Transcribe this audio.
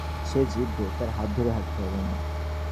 ভূখণ্ডের ফলে ঠিকঠাক নিশানা লাগাতে পারবে না।